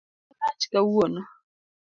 Chiro rach kawuono